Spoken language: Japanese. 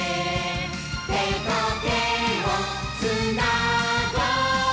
「手と手をつなごう！」